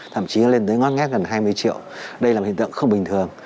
thậm chí nó lên tới ngót ngát gần hai mươi triệu đây là một hình tượng không bình thường